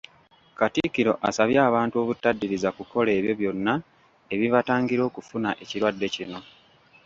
Katikkiro asabye abantu obutaddiriza kukola ebyo byonna ebibatangira okufuna ekirwadde kino.